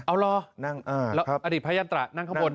อ๋อเหรออดีตพระยันตรานั่งข้างบน